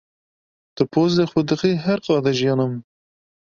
Tu pozê xwe dixî her qada jiyana min.